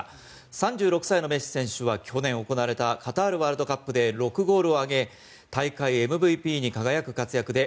３６歳のメッシ選手は去年行われたカタールワールドカップで６ゴールを挙げ大会ＭＶＰに輝く活躍で